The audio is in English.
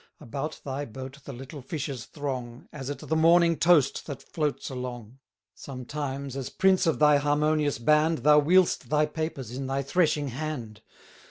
About thy boat the little fishes throng, As at the morning toast that floats along. 50 Sometimes, as prince of thy harmonious band, Thou wield'st thy papers in thy threshing hand.